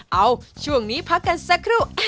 เอาช่วงนี้พักกันสักครู่